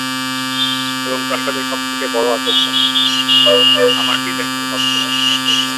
এবং প্রাসাদের সবথেকে বড় আকর্ষণ, আমার ডিজাইনার বাথরুম।